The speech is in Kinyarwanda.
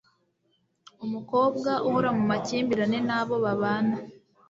Umukobwa uhora mu makimbirane n'abo babana